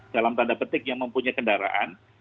dalam tanda petik yang mempunyai kendaraan